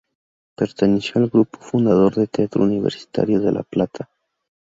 Perteneció al grupo fundador del Teatro Universitario de La Plata.